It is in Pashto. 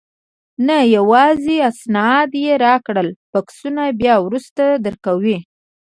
نه، یوازې اسناد یې راکړل، بکسونه بیا وروسته درکوي.